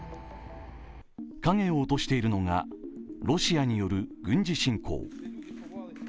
影を落としているのがロシアによる軍事侵攻。